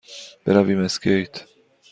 برویم اسکیت؟